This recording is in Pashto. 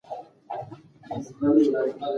هغه له ما سره خبرې نه کولې.